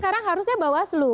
sekarang harusnya bawaslu